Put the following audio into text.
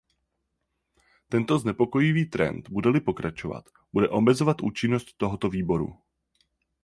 Tento znepokojivý trend, bude-li pokračovat, bude omezovat účinnost tohoto výboru.